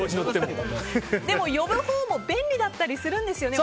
でも呼ぶほうも便利だったりするんですよね。